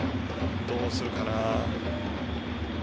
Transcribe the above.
どうするかな。